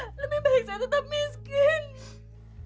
ya lebih baik saya tetap miskin